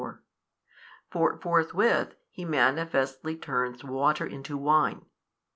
for forthwith He manifestly turns water into wine.